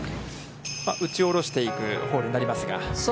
打ち下ろしていくホールになりますが。